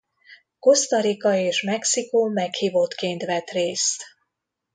Costa Rica és Mexikó meghívottként vett részt.